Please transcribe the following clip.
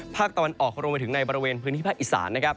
ภาคตะวันออกรวมไปถึงในบริเวณพื้นที่ภาคอีสานนะครับ